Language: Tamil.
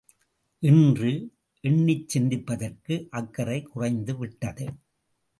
இன்று, எண்ணிச் சிந்திப்பதற்கு அக்கறை குறைந்து விட்டது.